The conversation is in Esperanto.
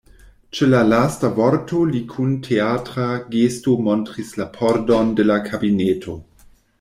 Ĉe la lasta vorto li kun teatra gesto montris la pordon de la kabineto.